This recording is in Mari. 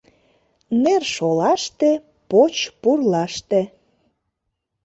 Нер шолаште, поч пурлаште —